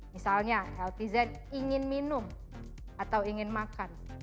misalnya healthy zen ingin minum atau ingin makan